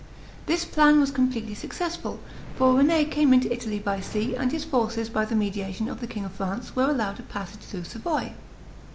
This plan was completely successful; for René came into Italy by sea, and his forces, by the mediation of the king of France, were allowed a passage through Savoy.